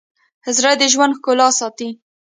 زړه د ژوند ښکلا ساتي.